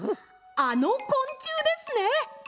あのこんちゅうですね！